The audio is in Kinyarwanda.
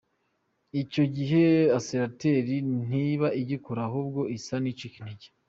Icyo gihe ‘accelerateur’ ntiba igikora ahubwo isa n’ icika intege.